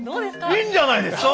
いいんじゃないですか？